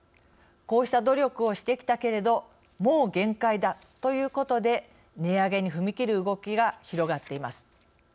こうした努力をしてきたけれどもう限界だということで値上げに踏み切る動きが広がっています。